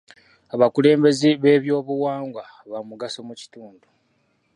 Abakulembeze b'ebyobuwangwa bamugaso mu kitundu.